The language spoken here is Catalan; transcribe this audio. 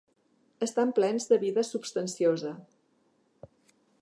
Estan plens de vida substanciosa.